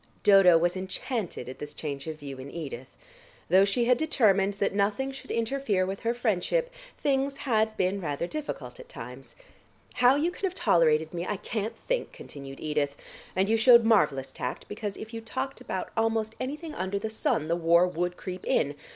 Dodo was enchanted at this change of view in Edith. Though she had determined that nothing should interfere with her friendship, things had been rather difficult at times. "How you can have tolerated me, I can't think," continued Edith. "And you showed marvellous tact, because if you talked about almost anything under the sun the war would creep in.